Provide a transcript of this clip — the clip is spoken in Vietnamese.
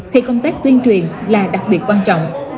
thì công tác tuyên truyền là đặc biệt quan trọng